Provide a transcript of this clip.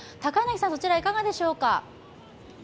そちら、いかがでしょうか。